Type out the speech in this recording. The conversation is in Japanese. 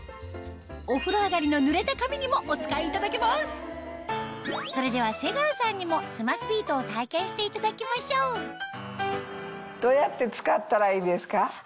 お風呂上がりのそれでは瀬川さんにもスマスビートを体験していただきましょうどうやって使ったらいいですか？